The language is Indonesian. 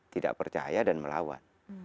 tidak percaya dan melawan